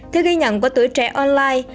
theo ghi nhận của tử trẻ online